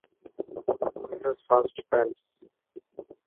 Mrs fast pants.